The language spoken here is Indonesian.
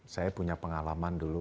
saya punya pengalaman dulu